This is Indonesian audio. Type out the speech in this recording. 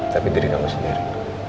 tapi diri kamu sendiri